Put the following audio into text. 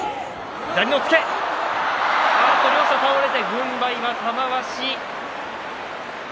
軍配は玉鷲。